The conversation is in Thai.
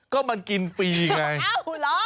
ก็มันกินฟรีไงอ้าวเหรอ